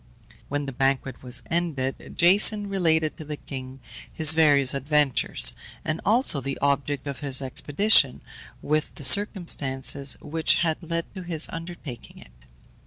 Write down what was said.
When the banquet was ended, Jason related to the king his various adventures, and also the object of his expedition, with the circumstances which had led to his undertaking it.